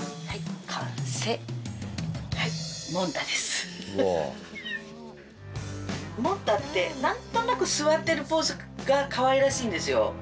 はいモンタって何となく座ってるポーズがかわいらしいんですよ。